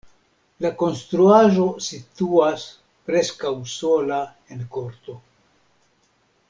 La konstruaĵo situas preskaŭ sola en korto.